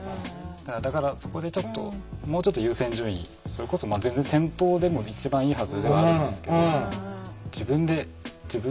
だからそこでもうちょっと優先順位それこそ全然先頭でも一番いいはずではあるんですけど。